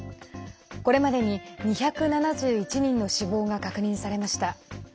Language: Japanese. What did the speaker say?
これまでに２７１人の死亡が確認されました。